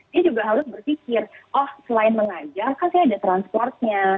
dia juga harus berpikir oh selain mengajar kan saya ada transportnya